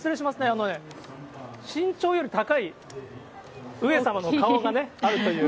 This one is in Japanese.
あのね、身長より高い上様の顔がね、あるという。